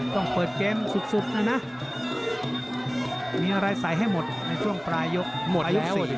ต้องเปิดเกมสุดนะนะมีอะไรใส่ให้หมดในช่วงปลายยกหมดยก๔